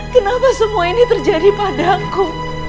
kenapa semua ini terjadi padaku